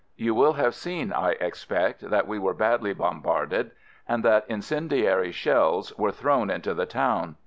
You will have seen, I expect, that we were badly bom barded and that incendiary shells were thrown into the town.